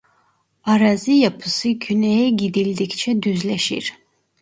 Arazi yapısı güneye gidildikçe düzleşir.